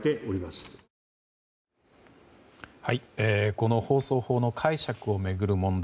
この放送法の解釈を巡る問題。